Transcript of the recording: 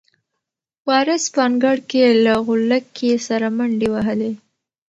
وارث په انګړ کې له غولکې سره منډې وهلې.